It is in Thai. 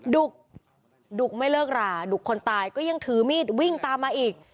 ดุกไม่เลิกราดุกคนตายก็ยังถือมีดวิ่งตามมาอีก